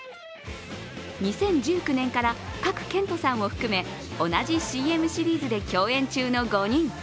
２０１９年から賀来賢人さんを含め、同じＣＭシリーズで共演中の５人。